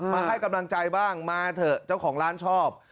มาให้กำลังใจบ้างมาเถอะเจ้าของร้านชอบ